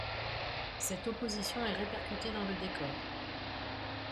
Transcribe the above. Cette opposition est répercutée dans le décor.